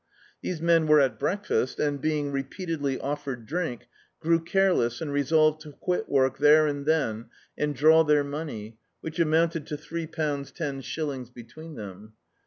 These men were at breakfast and, being repeatedly offered drink, grew careless and resolved to quit work there and then and draw their money, which amounted to three pounds ten shillings between them.